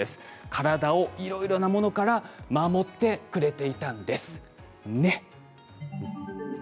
体をいろいろなものから守ってくれていたんです。ね。